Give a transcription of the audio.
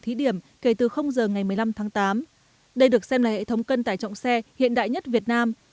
thí điểm kể từ giờ ngày một mươi năm tháng tám đây được xem là hệ thống cân tải trọng xe hiện đại nhất việt nam